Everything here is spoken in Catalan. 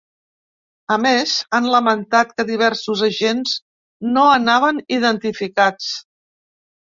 A més, han lamentat que diversos agents no anaven identificats.